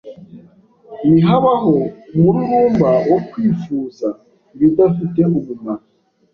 Ntihabaho umururumba wo kwifuza ibidafite umumaro